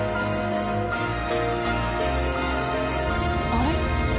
あれ？